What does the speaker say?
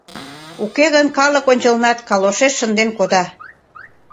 Уке гын калык ончылнат калошеш шынден кода.